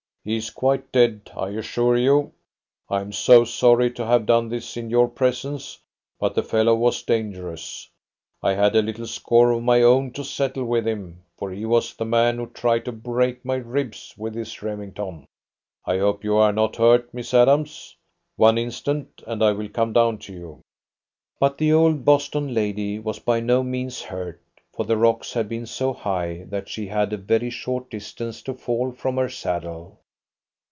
"He is quite dead, I assure you. I am so sorry to have done this in your presence, but the fellow was dangerous. I had a little score of my own to settle with him, for he was the man who tried to break my ribs with his Remington. I hope you are not hurt, Miss Adams! One instant, and I will come down to you." But the old Boston lady was by no means hurt, for the rocks had been so high that she had a very short distance to fall from her saddle.